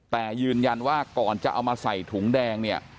แต่ยืนยันว่าก่อนจะเอามาใส่ถุงแดงเนี่ย